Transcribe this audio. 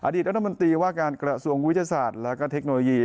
อดีตน้ำมิตรีว่าการกระทรวงวิทยาศาสตร์และการเทคโนโลยี